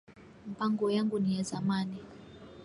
Mpango yangu ni ya zamani